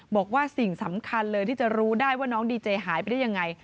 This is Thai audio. บอกว่าสิ่งสำคัญเลยที่จะรู้ได้ว่าน้องดีเจหายไปได้ยังไง